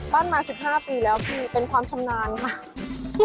ปั้นมา๑๕ปีแล้วพี่เป็นความชำนาญมาก